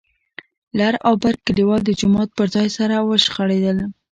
لر او بر کليوال د جومات پر ځای سره وشخړېدل.